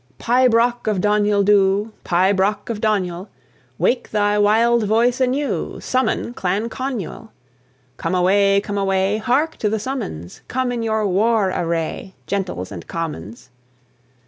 (1771 1832.) Pibroch of Donuil Dhu, Pibroch of Donuil, Wake thy wild voice anew, Summon Clan Conuil. Come away, come away, Hark to the summons! Come in your war array, Gentles and commons.